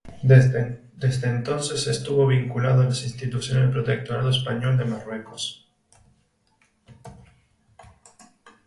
Desde entonces estuvo vinculado a las instituciones del Protectorado Español de Marruecos.